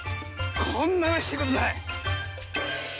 こんなうれしいことない。